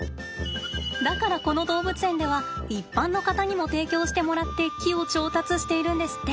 だからこの動物園では一般の方にも提供してもらって木を調達しているんですって。